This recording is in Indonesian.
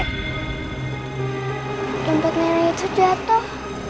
tempat nari itu jatuh